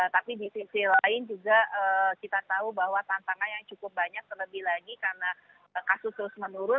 tapi di sisi lain juga kita tahu bahwa tantangan yang cukup banyak terlebih lagi karena kasus terus menurun